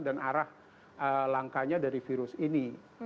dan arah langkahnya dari virus ini